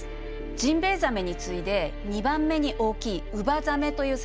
ジンベエザメに次いで２番目に大きいウバザメというサメがいます。